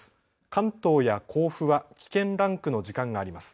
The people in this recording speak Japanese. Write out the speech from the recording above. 関東や甲府は危険ランクの時間があります。